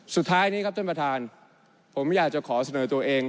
สุดท้ายนี้ครับท่านประธานผมอยากจะขอเสนอตัวเอง